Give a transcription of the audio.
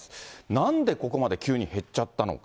なんでここまで急に減っちゃったのか。